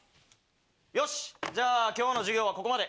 よしじゃあ今日の授業はここまで。